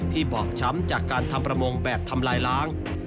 บอบช้ำจากการทำประมงแบบทำลายล้าง